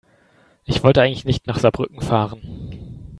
Ich wollte eigentlich nicht nach Saarbrücken fahren